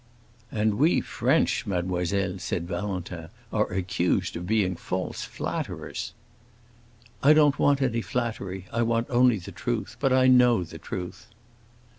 "And we French, mademoiselle," said Valentin, "are accused of being false flatterers!" "I don't want any flattery, I want only the truth. But I know the truth."